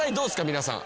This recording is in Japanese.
皆さん。